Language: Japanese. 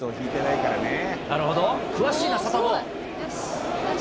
なるほど、詳しいな、サタボー。